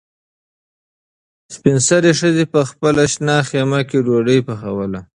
سپین سرې ښځې په خپله شنه خیمه کې ډوډۍ پخوله.